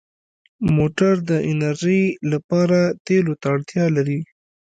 موټر د انرژۍ لپاره تېلو ته اړتیا لري.